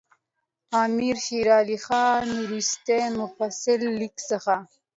د امیر شېر علي خان وروستي مفصل لیک څخه.